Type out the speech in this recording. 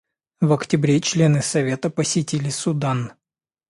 В октябре члены Совета посетили Судан.